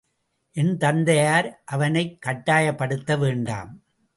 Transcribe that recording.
என் தந்தையார், அவனைக் கட்டாயப்படுத்த வேண்டாம்.